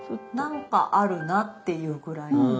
何かあるなっていうぐらい？